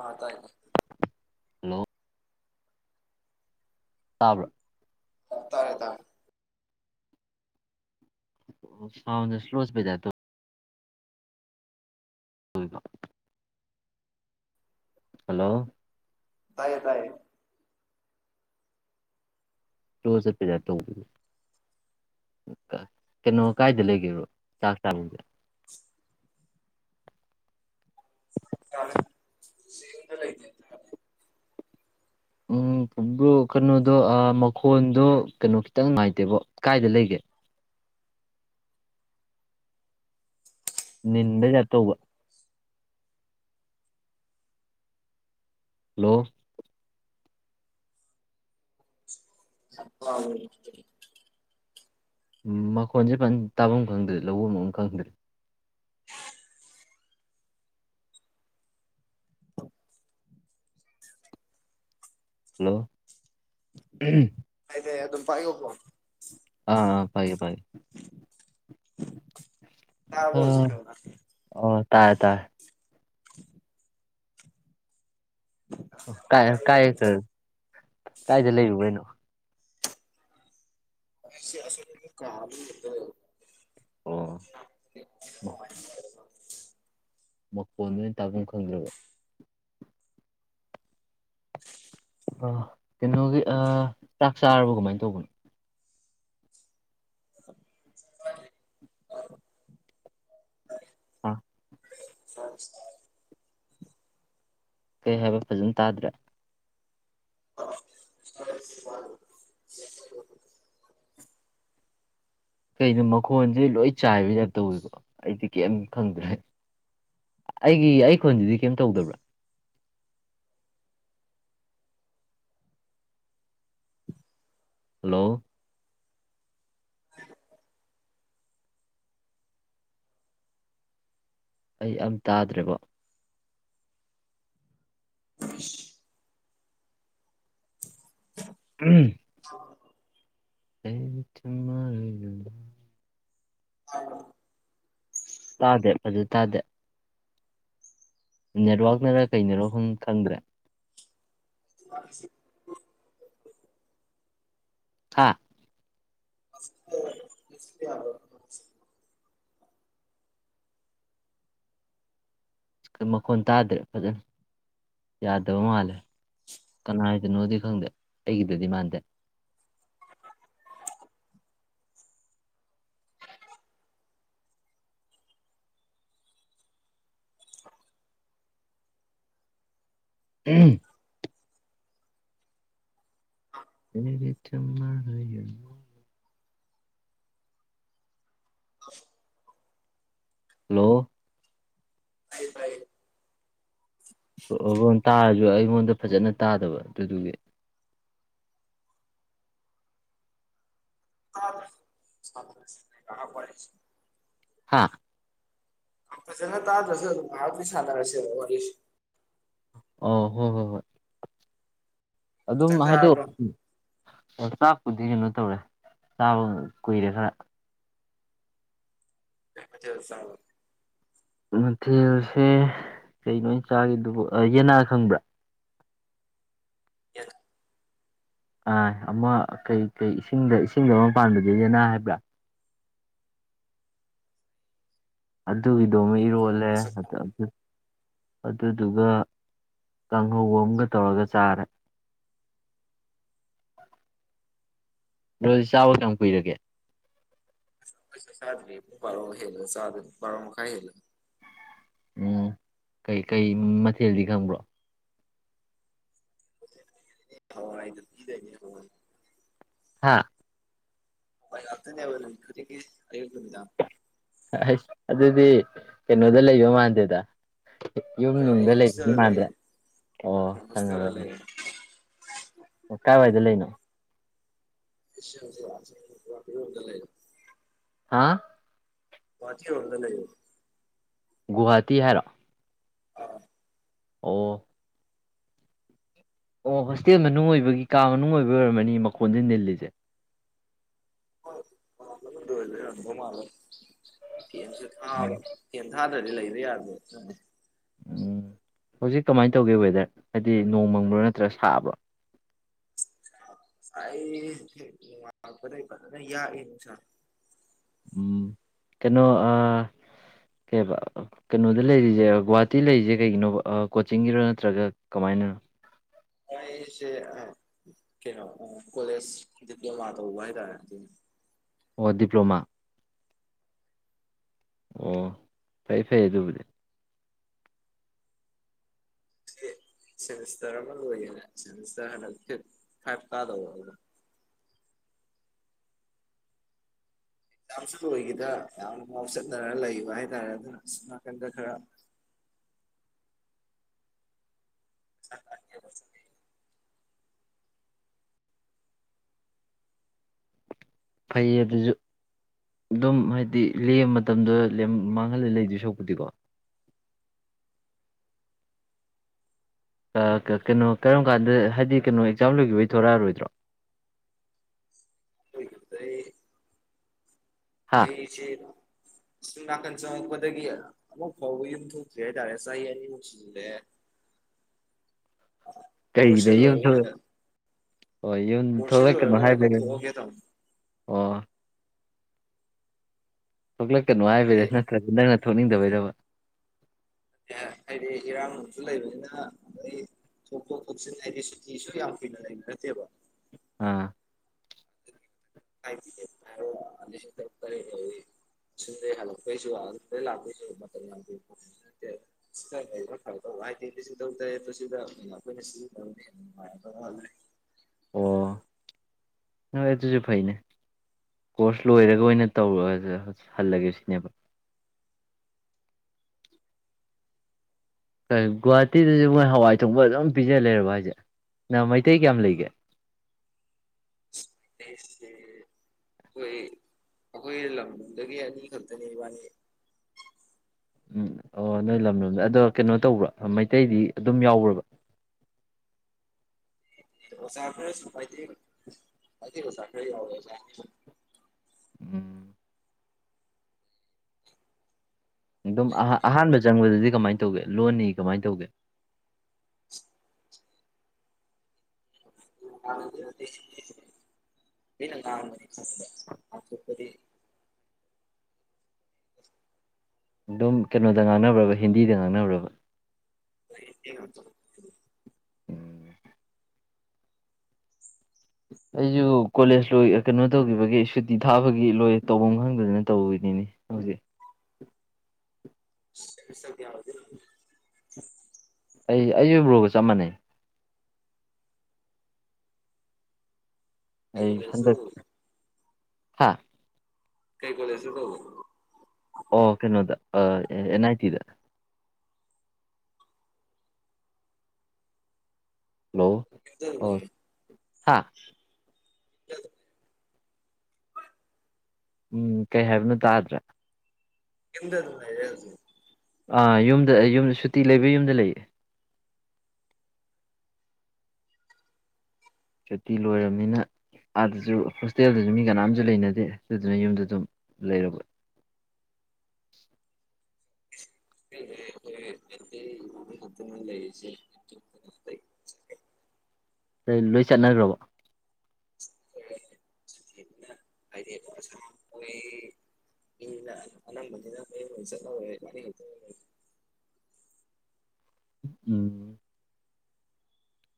ꯑꯥ ꯇꯥꯏ [inaudible] ꯇꯥꯕ꯭ꯔ ꯇꯥꯔꯦ ꯇꯥꯔꯦ ꯑ ꯁꯥꯎꯟꯁꯦ ꯁ꯭ꯂꯣ ꯆꯠꯄꯩ ꯇꯥꯏꯞꯇ ꯇꯧꯋꯦꯕ ꯍꯜꯂꯣ ꯇꯥꯏꯌꯦ ꯇꯥꯏꯌꯦ [unintelligible] ꯆꯠꯄꯩ ꯇꯥꯏꯞ ꯇꯧꯕ ꯀ ꯀꯩꯅꯣ ꯀꯥꯏꯗ ꯂꯩꯒꯦꯕ [unintelligible] [inaudible] [inaudible] ꯎꯝ ꯕ꯭ꯔꯣ ꯀꯩꯅꯣꯗꯣ ꯑ ꯃꯈꯣꯟꯗꯣ ꯀꯩꯅꯣ ꯈꯤꯇꯪ ꯅꯨꯡꯉꯥꯏꯇꯦꯕꯣ ꯀꯥꯏꯗ ꯂꯩꯒꯦ ꯅꯤꯟꯕꯩ ꯇꯥꯏꯞ ꯇꯧꯕ ꯍꯜꯂꯣ [inaudible] ꯃꯈꯣꯟꯁꯦ ꯐꯖꯟꯅ ꯇꯥꯐꯝ ꯈꯪꯗ꯭ꯔꯦ ꯂꯧꯎꯕꯝ ꯑꯃ ꯈꯪꯗ꯭ꯔꯦ [inaudible] ꯍꯜꯂꯣ ꯎꯨꯝ [inaudible] ꯑꯗꯨꯝ ꯄꯥꯏꯒꯣꯀꯣ ꯑꯥ ꯐꯩꯌꯦ ꯐꯩꯌꯦ [unintelligible] ꯇꯥꯕ꯭ꯔꯣ [inaudible] ꯑꯥ ꯇꯥꯏ ꯇꯥꯏꯌꯦ [unintelligible] ꯀꯥꯏꯗ ꯂꯩꯔꯨꯕꯩꯅꯣ ꯀꯥ [inaudible] ꯑꯣ [inaudible] ꯃꯈꯣꯟꯖꯦ ꯇꯥꯕꯝ ꯈꯪꯗ꯭ꯔꯕ ꯑ ꯀꯩꯅꯣꯒꯤ ꯑꯥ ꯆꯥꯛ ꯆꯥꯔꯕ ꯀꯃꯥꯏꯅ ꯇꯧꯕꯅꯣ [inaudible] ꯑꯥ [inaudible] ꯀꯩ ꯍꯥꯏꯕ ꯐꯖꯟ ꯇꯥꯗ꯭ꯔꯦ [inaudible] ꯀꯩꯅꯣ ꯃꯈꯣꯟꯖꯦ ꯂꯣꯏ ꯆꯥꯏꯕꯩ ꯇꯥꯏ꯭ꯞ ꯇꯧꯋꯦꯕ ꯑꯩꯗꯤ ꯀꯩꯝ ꯈꯪꯗ꯭ꯔꯦ ꯑꯩꯒꯤ ꯑꯩꯈꯣꯟꯖꯤꯗꯤ ꯀꯩꯝ ꯇꯧꯗꯕ꯭ꯔꯥ ꯍꯜꯂꯣ ꯑꯩ ꯑꯝ ꯇꯥꯗ꯭ꯔꯦꯕꯣ [inaudible] ꯎꯝ [inaudible] ꯑꯩꯝ ꯊꯟ [inaudible] ꯇꯥꯗꯦ ꯐꯖꯥ ꯇꯥꯗꯦ ꯅꯦꯠꯋꯥꯛꯅꯔ ꯀꯩꯅꯔꯣ ꯈꯪ ꯈꯪꯗ꯭ꯔꯦ [inaudible] ꯍꯥꯥ [inaudible] ꯀ ꯃꯈꯣꯟ ꯇꯗꯦ ꯐꯖꯅ ꯌꯥꯗꯕ ꯃꯥꯜꯂꯦ ꯀꯅꯥꯏꯗꯅꯣꯗꯤ ꯈꯪꯗꯦ ꯑꯩꯒꯤꯗꯗꯤ ꯃꯥꯟꯗꯦ ꯎꯨꯝ ꯑꯩꯒꯤ ꯊꯥ [unintelligible] ꯍꯜꯂꯣ ꯇꯥꯏꯌꯦ ꯇꯥꯏꯌꯦ ꯑꯣ ꯔꯣꯟ ꯇꯥꯔꯖꯨ ꯑꯩꯉꯣꯟꯗ ꯐꯖꯅ ꯇꯥꯗꯕ ꯑꯗꯨꯗꯨꯒꯤ [inaudible] ꯍꯥꯥ ꯐꯥꯖꯅꯥ ꯇꯗ꯭ꯔꯖꯨ ꯑꯗꯨꯝ ꯉꯍꯥꯛꯇꯤ ꯁꯥꯥꯟꯅꯔꯁꯦꯕ ꯋꯥꯔꯤꯁꯤ ꯑꯥ ꯍꯣꯏ ꯍꯣꯏ ꯍꯣꯏ ꯑꯗꯨꯝ ꯆꯥꯛ ꯍꯥꯏꯗꯣꯛ ꯆꯥꯔꯕ꯭ꯔꯣ ꯑꯣ ꯑ ꯆꯥꯛꯄꯨꯗꯤ ꯀꯩꯅꯣ ꯇꯧꯔꯦ ꯆꯥꯕ ꯀꯨꯏꯔꯦ ꯈꯔ ꯀꯩ ꯃꯊꯦꯜ ꯆꯥꯕꯥ ꯃꯊꯦꯜꯁꯦ ꯀꯩꯅꯣ ꯑꯩꯅꯥ ꯆꯥꯒꯤꯞꯗꯨꯕꯨ ꯑꯥ ꯌꯦꯅꯥ ꯈꯪꯕ꯭ꯔꯥ ꯌꯦꯅꯥ ꯑ ꯑꯃ ꯀꯩ ꯀꯩ ꯏꯁꯤꯡꯗ ꯏꯁꯤꯡꯗ ꯑꯃ ꯄꯥꯟꯕꯗꯨ ꯌꯦꯅꯥ ꯍꯥꯏꯕ꯭ꯔꯥ ꯑꯗꯨꯒꯤꯗꯣ ꯑꯃꯥ ꯏꯔꯣꯜꯂꯦ ꯃꯁꯛ ꯈꯪ ꯑꯗꯥ ꯑꯗ ꯑꯗꯨꯗꯨꯒ ꯀꯥꯡꯍꯧ ꯑꯝꯒ ꯇꯧꯔꯒ ꯆꯥꯔꯦ ꯕ꯭ꯔꯣꯗꯤ ꯆꯥꯕ ꯀꯌꯥꯝ ꯀꯨꯏꯔꯒꯦ ꯑꯩ ꯆꯥꯛ ꯆꯥꯗ꯭ꯔꯤ ꯄꯨꯡ ꯕꯥꯔꯣ ꯍꯦꯜꯂꯒ ꯆꯥꯗꯣꯏꯅꯤ ꯕꯔꯣ ꯃꯈꯥꯏ ꯍꯦꯜꯂꯒ ꯎꯝ ꯀꯩ ꯀꯩ ꯃꯊꯦꯜꯗꯤ ꯈꯪꯕ꯭ꯔꯣ ꯍ ꯑꯩ ꯊꯖ ꯍ [unintelligible] ꯍꯥꯥ ꯍꯋꯥꯏ ꯉꯥꯛꯇ ꯅꯦꯕ ꯅꯨꯃꯤꯠ ꯈꯨꯗꯤꯡꯒꯤ ꯑꯥꯌꯨꯛ ꯅꯨꯃꯤꯗꯥꯡ ꯍꯥꯏꯁ ꯑꯗꯨꯗꯤ ꯀꯩꯅꯣꯗ ꯂꯩꯕ ꯃꯥꯟꯗꯦꯗ ꯌꯨꯝ ꯍꯣꯏ ꯑꯩ ꯅꯨꯡꯗ ꯂꯩꯕꯗꯤ ꯍꯣꯁꯇꯦꯜꯗ ꯂꯩꯌꯦ ꯃꯥꯟꯗꯔꯦ ꯑꯣ ꯈꯪꯉꯕ ꯍꯣꯁꯇꯦꯜꯗ ꯑꯩꯅ ꯂꯩꯌꯦ ꯑꯣ ꯀꯥꯏꯋꯥꯏꯗ ꯂꯩꯅꯣ ꯌꯥꯗ ꯂꯩ [unintelligible] ꯍꯥ ꯒꯨꯋꯥꯍꯑꯇꯤ ꯔꯣꯝꯗ ꯂꯩꯌꯦꯕ ꯒꯨꯍꯥꯇꯤ ꯍꯥꯏꯔꯣ ꯑꯥ ꯑꯣ ꯑꯣ ꯍꯣꯁꯇꯦꯜ ꯃꯅꯨꯡ ꯑꯣꯏꯕꯒꯤ ꯀꯥ ꯃꯅꯨꯡ ꯑꯣꯏꯕꯒꯤ ꯑꯣꯏꯔꯝꯃꯅꯤ ꯃꯈꯣꯟꯁꯦ ꯅꯤꯜꯂꯤꯁꯦ ꯕ ꯎꯝ ꯐꯦꯟ ꯊꯥꯗ꯭ꯔꯗꯤ ꯂꯩꯕ ꯌꯥꯗ꯭ꯔꯦ ꯎꯝ ꯍꯧꯖꯤꯛ ꯀꯃꯥꯏꯅ ꯇꯧꯒꯦ ꯋꯦꯗꯔ ꯍꯥꯏꯗꯤ ꯅꯣꯡ ꯃꯪꯕ꯭ꯔꯥ ꯅꯠꯇ꯭ꯔꯥ ꯁꯥꯕ꯭ꯔꯣ ꯑ ꯊ ꯋꯥ ꯀꯔ ꯀ ꯌꯥ ꯅꯅꯨꯡꯁꯥ [unintelligible] ꯎꯝ ꯀꯩꯅꯣ ꯑꯥ ꯀꯩ ꯍꯥꯏꯕ ꯀꯩꯅꯣꯗ ꯂꯩꯔꯤꯁꯦ ꯒꯨꯍꯥꯇꯤ ꯂꯩꯔꯤꯁꯦ ꯀꯩꯒꯤꯅꯣ ꯀꯣꯆꯤꯡꯒꯤꯔꯣ ꯅꯠꯇ꯭ꯔꯒ ꯀꯃꯥꯏꯅꯅꯣ ꯀꯁꯦ ꯀꯩꯅꯣ ꯀꯣꯂꯖ ꯗꯤꯄ꯭ꯂꯣꯃꯥ ꯎꯕ ꯇꯔ ꯑꯣ ꯗꯤꯄ꯭ꯂꯣꯃꯥ ꯑꯣ ꯐꯩ ꯐꯩ ꯑꯗꯨꯕꯨꯗꯤ ꯁꯃꯤꯁꯇꯔ ꯑꯃ ꯂꯣꯏꯒꯦꯅꯦ ꯁꯃꯤꯁꯇꯔ ꯍꯟꯗꯛꯇ ꯍꯥꯏꯥꯏꯞ ꯀꯥꯗꯧꯕ ꯑꯦꯀꯒꯝꯁꯨ ꯂꯣꯏꯈꯤꯗ꯭ꯔ ꯌꯥꯝꯅ ꯉꯥꯎ ꯆꯠꯅꯔꯒ ꯂꯩꯕ ꯍꯥꯏꯇꯥꯔꯦ ꯑꯗꯨꯅ ꯁꯁꯝ ꯅꯥꯀꯟꯗ ꯈꯔ ꯍ ꯐꯩꯌꯦ ꯑꯗꯨꯁꯨ ꯑꯗꯨꯝ ꯍꯥꯏꯗꯤ ꯂꯦꯝꯕ ꯃꯇꯝꯗ ꯃꯥꯡꯍꯜꯂ ꯂꯩꯗꯣꯏ ꯁꯣꯛꯄꯨꯗꯤꯀꯣ ꯀꯩꯅꯣ ꯀꯔꯝ ꯀꯥꯟꯗ ꯍꯥꯏꯗꯤ ꯀꯩꯅꯣ ꯑꯦꯛꯖꯥꯝ ꯂꯣꯏꯈꯤꯕꯩ ꯊꯣꯔꯛꯑꯔꯣꯏꯗ꯭ꯔꯣ ꯑꯩꯗ ꯑꯩ ꯍꯥ ꯑꯩ ꯆꯦ ꯁꯨꯝ ꯅꯥꯀꯟ ꯆꯪꯉꯛꯄꯗꯒꯤ ꯑꯃꯨꯛ ꯐꯥꯎꯕ ꯌꯨꯝ ꯊꯣꯛꯇ꯭ꯔꯤ ꯍꯥꯏꯇꯥꯔꯦ ꯆꯍꯤ ꯑꯅꯤꯃꯨꯛ ꯁꯤꯜꯂꯦ ꯀꯩꯒꯤꯗ ꯀꯣꯔꯁꯁꯦ ꯌꯨꯝꯛ ꯂꯣꯏꯔꯒ ꯑꯣꯏꯅ ꯍꯣꯏ ꯌꯨꯝ ꯀꯣꯔꯁꯁꯦ ꯊꯣꯛꯂꯛꯀꯅꯣ ꯂꯣꯏꯔꯒ ꯑꯣꯏꯅ ꯍꯥꯏꯕ ꯊꯣꯛꯑꯒꯦ ꯇꯧꯅꯤ ꯑꯣ ꯊꯣꯛꯂꯛꯀꯅꯨ ꯍꯥꯏꯕꯔ ꯅ ꯅꯪꯅ ꯊꯣꯛꯅꯤꯡꯗꯕꯩꯗꯕ ꯑꯦ ꯍꯥꯏꯗꯤ ꯏꯔꯥꯡꯁꯨ ꯂꯩꯕꯅꯤꯅ ꯑꯩꯣꯏ ꯁꯨꯇꯤꯁꯨ ꯌꯥꯝ ꯀꯨꯏꯅꯂꯩꯕ ꯅꯠꯇꯦꯌꯕ ꯑꯥ ꯐꯂꯥꯢꯠ ꯇꯤꯛꯀꯦꯠ ꯍꯥꯏꯔꯦ ꯂꯤꯁꯤꯡ ꯇꯔꯨꯛ ꯇꯔꯦꯠ ꯇꯧꯏ ꯁꯤꯗꯦ ꯍꯜꯂꯛꯄꯩꯁꯨ ꯂꯥꯛꯄꯁꯨ ꯃꯇ ꯂ [unintelligible] ꯁꯤꯗꯥ ꯂꯩꯕꯅ ꯐꯥꯗꯧꯕ ꯍꯥꯏꯗꯤ ꯂꯤꯁꯤꯡ ꯇꯔꯨꯛ ꯇꯔꯦꯠ ꯇꯨ ꯑꯈꯣꯏꯅ ꯁꯤꯖꯤꯟ ꯅꯕꯅ ꯐꯥꯗꯧꯕ ꯎꯦ [unintelligible] [unintelligible] ꯍꯣꯏꯑꯗꯨꯁꯨ ꯐꯥꯏꯅꯦ ꯀꯣꯔꯁ ꯂꯣꯏꯔꯒ ꯑꯣꯏꯅ ꯇꯧꯔꯒꯁꯨ ꯍꯜꯂꯒꯦ ꯁꯤꯅꯦꯕ ꯒꯨꯍꯥꯇꯤꯗꯁꯨ ꯃꯣꯏ ꯍꯋꯥꯏ ꯊꯣꯡꯕ ꯑꯗꯨꯝ ꯄꯤꯖ ꯂꯩꯔꯕ ꯍꯥꯏꯁꯦ ꯅ ꯃꯩꯇꯩ ꯀꯌꯥꯝ ꯂꯩꯒꯦ ꯑꯩꯁ ꯑꯩꯈꯣꯏ ꯑꯩꯈꯣꯏ ꯂꯝꯗꯝꯗꯒꯤ ꯑꯅꯤꯈꯛꯇꯅꯦ ꯏꯕꯥꯅꯤ ꯎꯝ ꯑꯣ ꯅꯣꯏ ꯂꯝꯂꯣꯝꯗ ꯑꯗꯣ ꯀꯩꯅꯣ ꯇꯧꯕ꯭ꯔꯥ ꯃꯩꯇꯩꯗꯤ ꯑꯗꯨꯝ ꯌꯥꯎ꯭ꯔꯕ ꯑꯣꯖꯥ ꯈꯔꯁꯨ ꯃꯩꯇꯩ ꯃꯩꯇꯩ ꯑꯣꯖꯥ ꯈꯔꯁꯨ ꯌꯥꯁꯥꯏ [unintelligible] ꯑꯗꯨꯝ ꯑꯍꯥꯟꯕ ꯆꯪꯕꯗꯗꯤ ꯀꯃꯥꯏꯅ ꯇꯧꯒꯦ ꯂꯣꯟ ꯂꯤ ꯀꯃꯥꯏ ꯇꯧꯒꯦ [unintelligible] [unintelligible] ꯑꯗꯨꯝ ꯀꯩꯅꯣꯗ ꯉꯥꯡꯅꯕ꯭ꯔꯕ ꯍꯤꯟꯗꯤꯗ ꯉꯥꯡꯅꯕ꯭ꯔꯕ [unintelligible] ꯎꯝ ꯑꯩꯁꯨ ꯀꯣꯂꯦꯖ ꯂꯣꯏ ꯀꯩꯅꯣ ꯇꯧꯈꯤꯕꯒꯤ ꯁꯨꯇꯤ ꯊꯥꯕꯒꯤ ꯂꯣꯏ ꯇꯧꯐꯝ ꯈꯪꯗꯗꯅ ꯇꯧꯔꯤꯅꯤꯅꯤ ꯍꯧꯖꯤꯛ [unintelligible] ꯑꯩ ꯑꯩ ꯖꯨ ꯕ꯭ꯔꯣꯒ ꯆꯞ ꯃꯥꯟꯅꯩ ꯑꯩ ꯀꯣꯂꯦꯖꯇ ꯍꯟꯗꯛ ꯇꯧꯏ ꯍꯥ ꯀꯩ ꯀꯣꯂꯦꯁ ꯇ ꯇꯧꯕ ꯑꯣ ꯀꯩꯅꯣꯗ ꯑꯦꯟ ꯑꯥꯏ ꯇꯤꯗ ꯍꯜꯂꯣ ꯑꯣ [unintelligible] ꯍꯥ ꯎꯝ ꯀꯩ ꯍꯥꯏꯕꯅꯣ ꯇꯥꯗ꯭ꯔꯦ ꯌꯨꯝꯗ ꯑꯗꯨꯝ ꯂꯩꯔꯦ ꯍꯧꯖꯤꯛ ꯑꯥ ꯌꯨꯝꯗ ꯌꯨꯝꯗ ꯁꯨꯇꯤ ꯂꯩꯕꯩ ꯌꯨꯝꯗ ꯂꯩꯌꯦ ꯁꯨꯇꯤ ꯂꯣꯏꯔꯕꯅꯤꯅ ꯑꯥꯗꯁꯨ ꯍꯣꯁꯇꯦꯜꯗꯨꯁꯨ ꯃꯤ ꯀꯅꯥꯁꯨ ꯂꯩꯅꯗꯦ ꯑꯗꯨꯗꯨꯅ ꯌꯨꯝꯗ ꯑꯗꯨꯝ ꯂꯩꯔꯕ [inaudible] [unintelligible] ꯅꫭꯏ ꯂꯣꯏ ꯆꯠꯅꯈ꯭ꯔꯕꯣ [unintelligible] [unintelligible] ꯎꯝ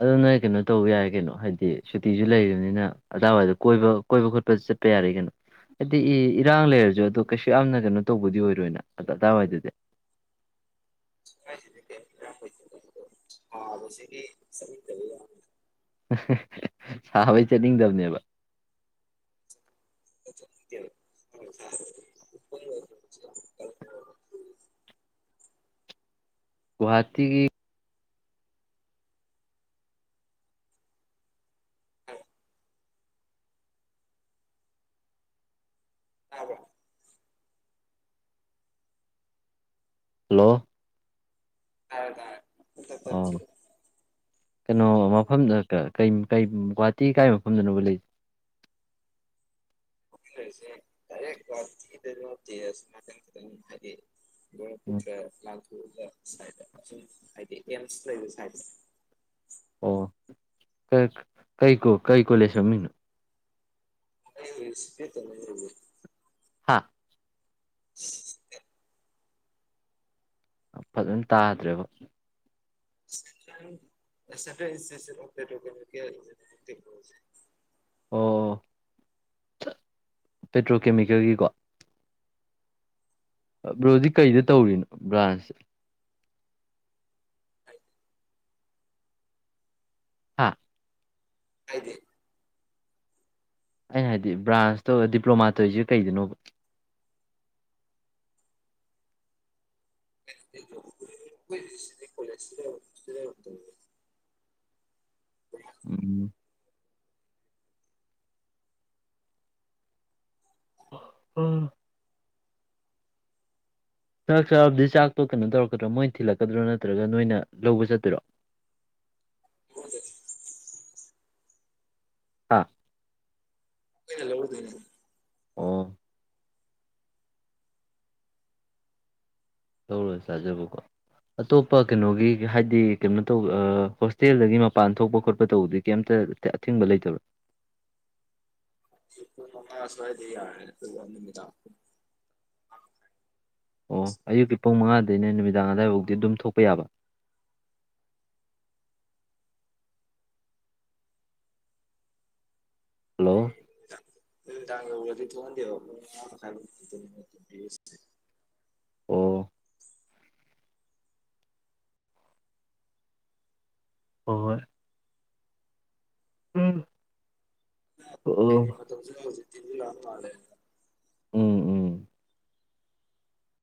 ꯑꯗꯨꯅꯣꯏ ꯀꯩꯅꯣ ꯇꯧꯕ ꯌꯥꯏ ꯀꯩꯅꯣ ꯍꯥꯏꯗꯤ ꯁꯨꯇꯤꯁꯨ ꯂꯩꯔꯕꯅꯤꯅ ꯑꯗꯥꯏꯋꯥꯏꯗ ꯀꯣꯏꯕ ꯀꯣꯏꯕ ꯈꯣꯠꯄ ꯆꯠꯄ ꯌꯥꯔꯦ ꯀꯩꯅꯣ ꯍꯥꯏꯗꯤ ꯏ ꯏꯔꯥꯡ ꯂꯩꯔꯁꯨ ꯑꯗꯣ ꯀꯩꯁꯨ ꯌꯥꯝꯅ ꯀꯩꯅꯣ ꯇꯧꯕꯗꯤ ꯑꯣꯏꯔꯣꯏꯅ ꯑꯗ ꯑꯗꯥꯋꯥꯏꯗꯗꯤ [unintelligible] ꯁꯥꯕꯩ ꯆꯠꯅꯤꯡꯗꯕꯅꯦꯕ [unintelligible] ꯒꯨꯍꯥꯇꯤꯒꯤ ꯇꯥꯕ꯭ꯔꫭ ꯍꯜꯂꯣ ꯇꯥꯔꯦ ꯇꯥꯔꯦ ꯄꯨꯡꯇꯥꯠ ꯑꯣ ꯇꯠꯈꯤꯕ ꯀꯩꯅꯣ ꯃꯐꯝꯗ ꯀꯩ ꯒꯨꯍꯥꯇꯤ ꯀꯥꯏ ꯃꯐꯝꯗꯅꯣꯕꯨ ꯂꯩ ꯑꯈꫭꯏ ꯂꯩꯔꯤꯁꯦꯗꯥꯏꯔꯦꯛ ꯒꯨꯍꯥꯇꯤꯗꯖꯨ ꯅꯠꯇꯦ ꯑꯁꫭꯝ ꯅꯥꯀꯟ ꯈꯤꯇꯪ ꯍꯥꯏꯗꯤ ꯎꯝ ꯕꯔ꯭ꯃꯄꯨꯨꯇ꯭ꯔ ꯂꯥꯟꯊꯣꯛꯑꯒ ꯁꯥꯏꯠꯇ ꯑꯁꯣꯝ ꯍꯥꯏꯗꯤ ꯑꯦꯝꯁ ꯂꯩꯕ ꯁꯥꯏꯠꯇ ꯑꯣ ꯀꯩ ꯀꯩ ꯀꯣꯂꯦꯁ ꯃꯃꯤꯡꯅꯣ [unintelligible] ꯍꯥꯥ [unintelligible] ꯐꯖꯅ ꯇꯥꯗ꯭ꯔꯦꯕꯣ [unintelligible] ꯑꯣ ꯄꯦꯇ꯭ꯔꯣꯀꯦꯃꯤꯀꯦꯜꯒꯤꯀꯣ ꯕ꯭ꯔꯣꯗꯤ ꯀꯩꯗ ꯇꯧꯔꯤꯅꯣ ꯕ꯭ꯔꯥꯟꯁ ꯁꯦ [unintelligible] ꯍꯥꯥ ꯍꯥꯏꯗꯤ ꯑꯩꯅ ꯍꯥꯏꯗꯤ ꯕ꯭ꯔꯥꯟꯁꯇꯧ ꯗꯤꯄ꯭ꯂꯣꯃꯥ ꯇꯧꯔꯤꯁꯦ ꯀꯩꯗꯅꯣꯕ ꯁꯤ ꯀꯣꯂꯦꯁꯤ ꯁꯤ [unintelligible] ꯎꯝ ꯎꯝ ꯆꯥꯛ ꯆꯥꯔꯕꯗꯤ ꯆꯥꯛꯇꯣ ꯀꯩꯅꯣ ꯇꯧꯔꯛꯗ꯭ꯔꯣ ꯃꯣꯏꯅ ꯊꯤꯜꯂꯛꯀꯗ꯭ꯔꯣ ꯅꯠꯇ꯭ꯔꯒ ꯅꯣꯏꯅ ꯂꯧꯕ ꯆꯠꯇꯣꯏꯔꯣ [inaudible] ꯑꯥ ꯑꯣꯏꯅ ꯂꯩ ꯎꯔꯗꯣꯏꯅ ꯑꯣ ꯇꯧꯔ ꯆꯥꯖꯕꯀꯣ ꯑꯇꯣꯞꯄ ꯀꯩꯅꯣꯒꯤ ꯍꯥꯏꯗꯤ ꯀꯩꯅꯣ ꯇꯧꯕ ꯍꯣꯁꯇꯦꯜꯗꯒꯤ ꯃꯄꯥꯟ ꯊꯣꯛꯄ ꯈꯣꯠꯄ ꯇꯧꯕꯗꯤ ꯀꯩꯝꯇ ꯑ ꯑꯊꯤꯡꯕ ꯂꯩꯇꯕ꯭ꯔꯥ ꯁꯋꯥꯥꯏꯗꯤ ꯌꯥꯃꯤ ꯑꯣ ꯑꯌꯨꯛꯀꯤ ꯄꯨꯡ ꯃꯉꯥꯗꯅꯦ ꯅꯨꯃꯤꯗꯥꯡ ꯑꯋꯥꯏꯐꯥꯎꯗꯤ ꯑꯗꯨꯝ ꯊꯣꯛꯄ ꯌꯥꯕ ꯍꯜꯂꯣ [unintelligible] ꯑꯣ ꯍꯣꯏ ꯎꯝ ꯑꯣ ꯀꯩꯅꯦ ꯃ ꯃꯇꯝ ꯍꯧꯖꯤ ꯂ ꯃꯥꯂꯦ [unintelligible] ꯎꯝ ꯎꯝ